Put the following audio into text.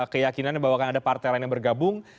keyakinannya bahwa akan ada partai lain yang bergabung